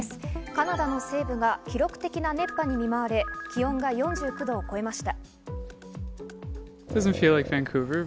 カナダの西部が記録的な熱波に見舞われ、気温が４９度を超えました。